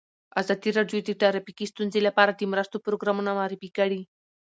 ازادي راډیو د ټرافیکي ستونزې لپاره د مرستو پروګرامونه معرفي کړي.